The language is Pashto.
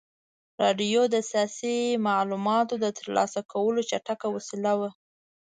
راډیو د سیاسي معلوماتو د ترلاسه کولو چټکه وسیله وه.